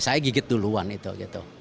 saya gigit duluan itu